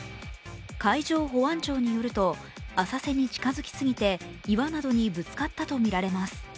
海上保安庁によると、浅瀬に近づきすぎて岩などにぶつかったとみられます。